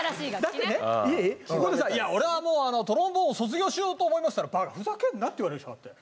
ここでさ俺はもうトロンボーンを卒業しようと思いますっつったら「バカふざけんな」って言われるでしょ？だって。